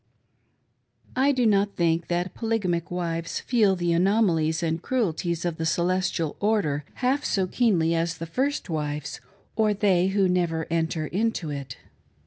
I DO not think that Polygamic wives feel the anomalies and cruelties of the " Celestial Order " half so keenly as the first Tjvives, or they would never enter into it.